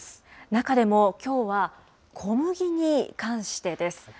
中でもきょうは、小麦に関してです。